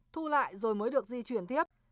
thu lại rồi mới được di chuyển tiếp